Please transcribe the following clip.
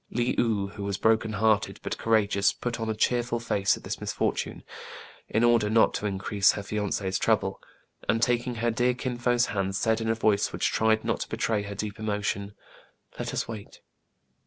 Le ou, who was broken hearted, but courageous, put on a cheerful face at this misfortune, in order not to increase her fiance's trouble, and, taking her dear Kin Fo's hand, said, in a voice which tried not to betray her deep emotion, "Let us wait